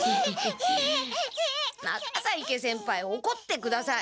中在家先輩おこってください。